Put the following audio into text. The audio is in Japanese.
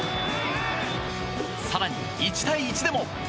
更に１対１でも！